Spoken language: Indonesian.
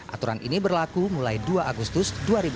aturan ini berlaku mulai dua agustus dua ribu dua puluh